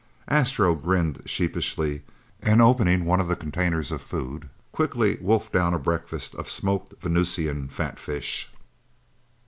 Astro grinned sheepishly, and opening one of the containers of food, quickly wolfed down a breakfast of smoked Venusian fatfish.